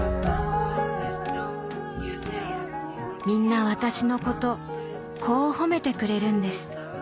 みんな私のことこう褒めてくれるんです。